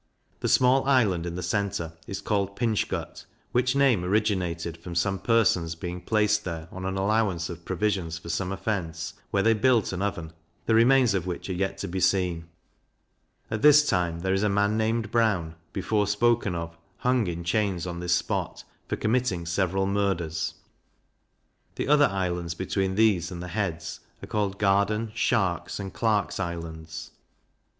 The small island in the centre is called Pinch gut, which name originated from some persons being placed there on an allowance of provisions for some offence, where they built an oven, the remains of which are yet to be seen: At this time there is a man named Brown, before spoken of, hung in chains on this spot, for committing several murders. The other islands, between these and the heads, are called Garden, Shark's, and Clark's Islands.